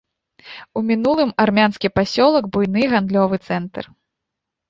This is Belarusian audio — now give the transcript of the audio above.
У мінулым армянскі пасёлак, буйны гандлёвы цэнтр.